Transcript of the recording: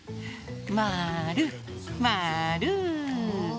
まるまる！